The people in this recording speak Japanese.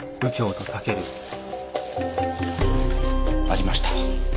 ありました。